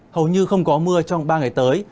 hầu như không có mưa trong ba ngày tới